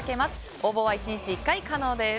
応募は１日１回可能です。